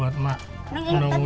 terima kasih ya pak ya semua